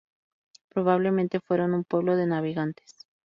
Probablemente fueron un pueblo de navegantes.